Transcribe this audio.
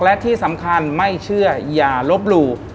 และที่สำคัญไม่เชื่ออย่าลบหลู่